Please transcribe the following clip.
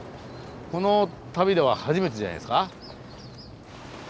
この旅では初めてじゃないですか。